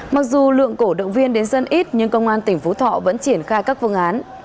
mặc dù lượng cổ động viên đến dân ít nhưng công an tỉnh phú thọ vẫn triển khai các phương án